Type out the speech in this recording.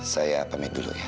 saya pamit dulu ya